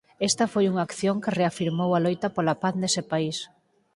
Esta foi unha acción que reafirmou a loita pola paz nese país.